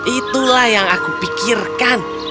itulah yang aku pikirkan